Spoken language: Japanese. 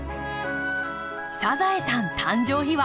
「サザエさん」誕生秘話。